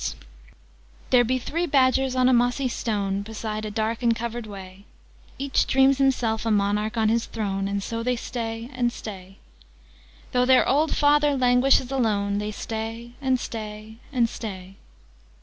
'Three badgers on a mossy stone'} "There be three Badgers on a mossy stone, Beside a dark and covered way: Each dreams himself a monarch on his throne, And so they stay and stay Though their old Father languishes alone, They stay, and stay, and stay.